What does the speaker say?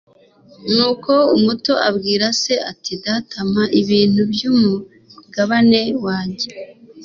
nuko umuto abwira se ati “data mpa ibintu by'umugabane wanjye”